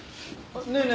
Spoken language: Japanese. ねえねえ